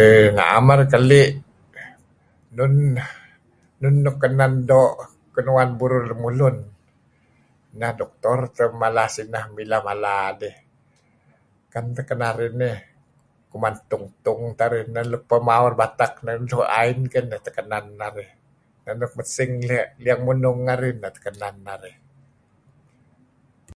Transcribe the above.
Eh na'em arih keli' nun nuk kenen luk doo' kinuan burur lemulun, neh doktor teh mala mileh mala sineh dih. Ken teh kenarih nih, kuman tung-tung teh arih, nun nuk peh maur batek narih, luk doo' ain, neh teh luk kenen narih. Neh luk mesing liyang munung arih neh teh kenen arih.